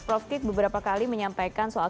prof kit beberapa kali menyampaikan soal